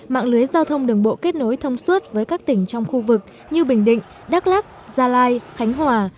mạng lưới giao thông đường bộ kết nối thông suốt với các tỉnh trong khu vực như bình định đắk lắc gia lai khánh hòa